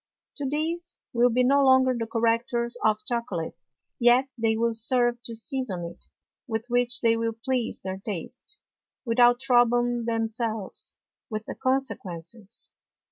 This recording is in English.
Tho these will be no longer the Correctors of Chocolate, yet they will serve to season it, with which they will please their Taste, without troubling themselves with the Consequences.